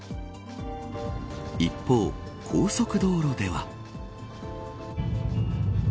一方、高速道路では。